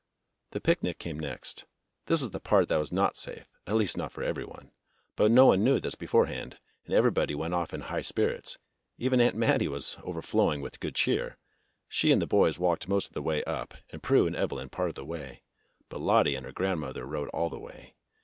The picnic came next. This was the part that was not safe, at least not for every one. But no one knew this beforehand, and everybody went off in high spirits. Even Aunt Mattie was overflowing with good cheer. She and the boys walked most of the way up, and Prue and Evelyn part of the way. But Lottie and her grandmother rode all the way.